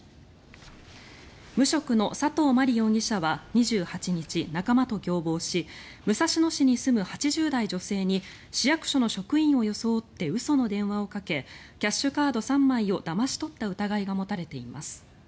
無職の佐藤真梨容疑者は２８日仲間と共謀し武蔵野市に住む８０代の女性に市役所の職員を装って嘘の電話をかけキャッシュカード３枚をだまし取った疑いが持たれています。